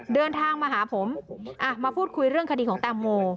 เดินทางมาหาผมมาพูดคุยเรื่องคดีของแตงโม